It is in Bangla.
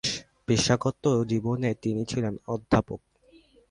পেশাগত জীবনে তিনি ছিলেন অধ্যাপক।